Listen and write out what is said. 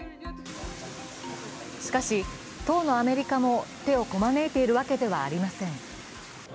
しかし、当のアメリカも手をこまねいているわけではありません。